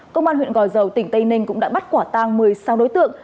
công an huyện gò dầu tỉnh tây ninh cũng đã bắt quả tang một mươi sáu đối tượng